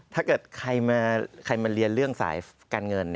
ถ้าเกิดใครมาเรียนเรื่องสายการเงิน